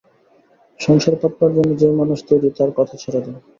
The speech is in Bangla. সংসার পাতবার জন্যেই যে মানুষ তৈরি তার কথা ছেড়ে দাও।